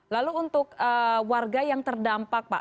lalu untuk warga yang terdampak pak